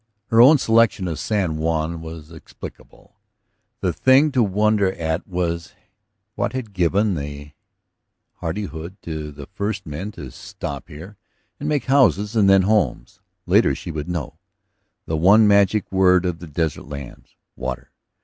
Her own selection of San Juan was explicable; the thing to wonder at was what had given the hardihood to the first men to stop here and make houses and then homes? Later she would know; the one magic word of the desert lands: water.